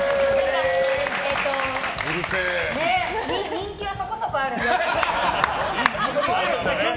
人気はそこそこある。